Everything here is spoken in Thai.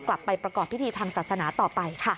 กลับไปประกอบพิธีทางศาสนาต่อไปค่ะ